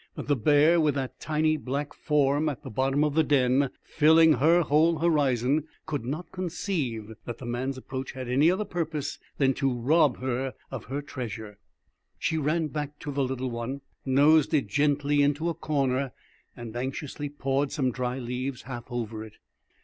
But the bear, with that tiny black form at the bottom of the den filling her whole horizon, could not conceive that the man's approach had any other purpose than to rob her of her treasure. She ran back to the little one, nosed it gently into a corner, and anxiously pawed some dry leaves half over it.